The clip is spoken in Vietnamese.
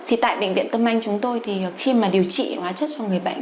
thì tại bệnh viện tâm anh chúng tôi thì khi mà điều trị hóa chất cho người bệnh